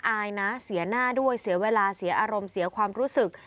อายนะเสียหน้าด้วยเสียเวลาเสียอารมณ์เสียความรู้สึก